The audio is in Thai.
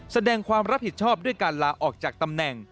แสดงความรับผิดชอบด้วยการลาออกจากตำแหน่ง